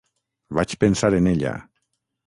Vaig pensar en ella.